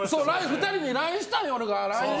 ２人にＬＩＮＥしたんよ、俺が。